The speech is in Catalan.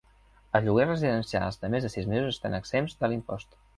Els lloguers residencials de més de sis mesos estan exempts de l'impost.